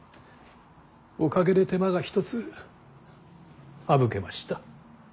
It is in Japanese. おかげで手間が一つ省けました。